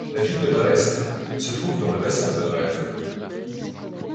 La ville de Dresde se trouve dans le bassin de Dresde.